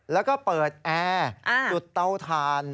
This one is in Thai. แล้วก็เปิดแอร์จุดเตาถ่าน